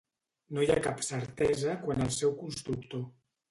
No hi ha cap certesa quant al seu constructor.